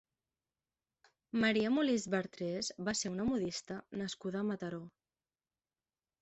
Maria Molist Bartres va ser una modista nascuda a Mataró.